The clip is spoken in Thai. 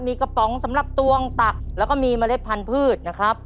มีกระป๋องสำหรับตวงตักแล้วก็มีเมล็ดพันธุ์นะครับ